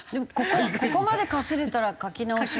ここまでかすれたら書き直しますよね？